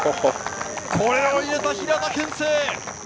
これを入れた平田憲聖！